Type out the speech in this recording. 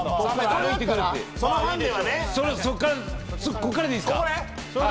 こっからでいいっすか？